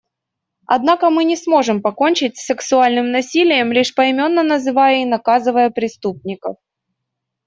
Однако мы не сможем покончить с сексуальным насилием, лишь поименно называя и наказывая преступников.